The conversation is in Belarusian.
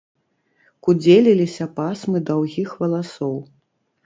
Кудзеліліся пасмы даўгіх валасоў.